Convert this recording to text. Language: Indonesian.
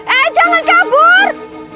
eh jangan kabur